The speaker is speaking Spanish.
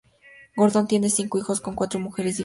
Gordon tiene cinco hijos con cuatro mujeres diferentes.